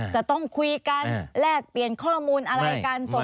จะต้องคุยกันแลกเปลี่ยนข้อมูลอะไรกันสด